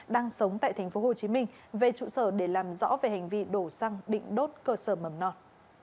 đang sống tại tp hcm về trụ sở để làm rõ về hành vi đổ xăng định đốt cơ sở mầm non